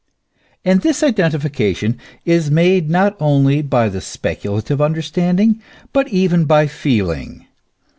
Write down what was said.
And this identification is made not only by the speculative understanding, but even by feeling.